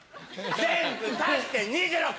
全部足して２６！